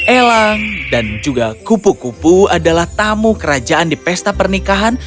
elang dan juga kupu kupu adalah tamu kerajaan di pesta pernikahan